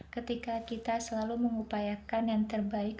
ketika kita selalu mengupayakan yang terbaik